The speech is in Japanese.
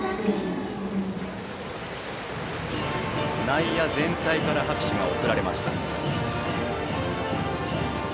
内野全体から拍手が送られました。